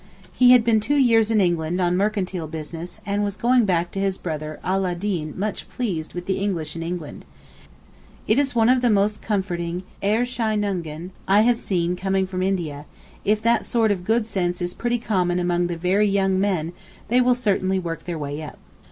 He had been two years in England on mercantile business and was going back to his brother Ala ed deen much pleased with the English in England. It is one of the most comforting Erscheinungen I have seen coming from India—if that sort of good sense is pretty common among the very young men they certainly will work their way up.